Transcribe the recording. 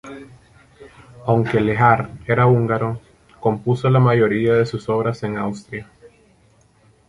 Aunque Lehár era húngaro, compuso la mayoría de sus obras en Austria.